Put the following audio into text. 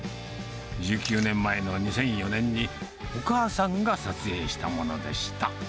１９年前の２００４年に、お母さんが撮影したものでした。